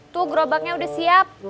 tuh grobaknya udah siap